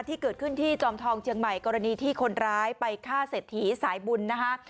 ที่เกิดขึ้นที่จอมทองเชียงใหม่กรณีที่คนร้ายไปฆ่าเศรษฐีสายบุญนะคะ